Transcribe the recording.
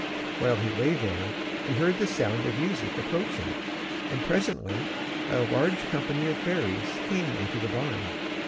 While he lay there he heard the sound of music approaching, and presently a large company of fairies came into the barn.